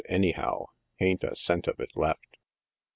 anyhow, hain't a cent of it left.